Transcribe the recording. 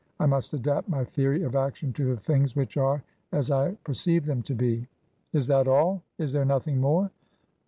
I must adapt my theory of action to the things which are as I perceive them to be." " Is that all ? Is there nothing more